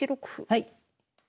はい。